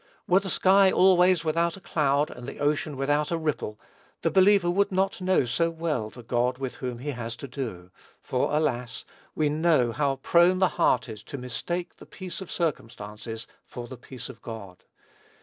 Were the sky always without a cloud and the ocean without a ripple, the believer would not know so well the God with whom he has to do; for, alas! we know how prone the heart is to mistake the peace of circumstances for the peace of God.